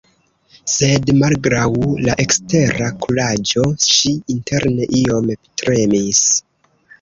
Sed malgraŭ la ekstera kuraĝo, ŝi interne iom tremis.